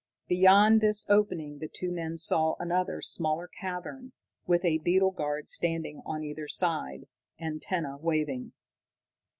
Beyond this opening the two men saw another smaller cavern, with a beetle guard standing on either side, antenna waving.